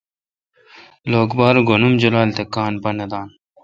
لوک بار گھن ام جولال تہ کان پا نہ دان۔